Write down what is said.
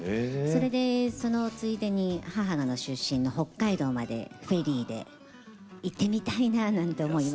それでそのついでに母の出身の北海道までフェリーで行ってみたいななんて思います。